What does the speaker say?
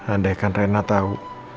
andai kan riana tau